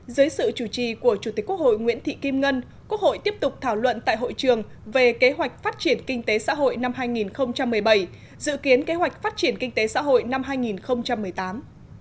dưới sự chủ trì của chủ tịch quốc hội nguyễn thị kim ngân quốc hội tiếp tục thảo luận tại hội trường về kế hoạch phát triển kinh tế xã hội năm hai nghìn một mươi bảy dự kiến kế hoạch phát triển kinh tế xã hội năm hai nghìn một mươi tám